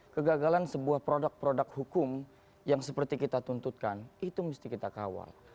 kegagalan sebuah produk produk hukum yang seperti kita tuntutkan itu mesti kita kawal